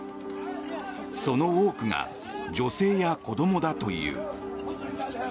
その多くが女性や子どもだという。